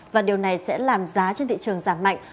và điều này sẽ làm giá trên thị trường giảm mạnh